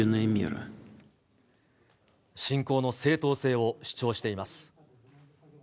侵攻の正当性を主張しています。